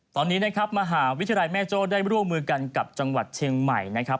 ตอนนี้นะครับมหาวิทยาลัยแม่โจ้ได้ร่วมมือกันกับจังหวัดเชียงใหม่นะครับ